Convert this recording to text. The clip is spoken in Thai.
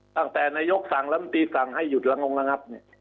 ตั้งแต่นายกส่างล้ำตี้ส่างให้หยุดระง่องระงับ